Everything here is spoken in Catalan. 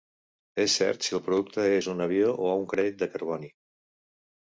És cert si el producte és un avió o un crèdit de carboni.